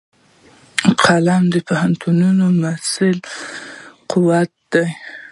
قلم د پوهنتوني محصل قوت دی